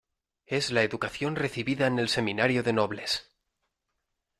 es la educación recibida en el Seminario de Nobles.